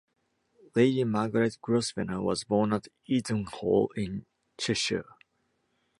Lady Margaret Grosvenor was born at Eaton Hall in Cheshire.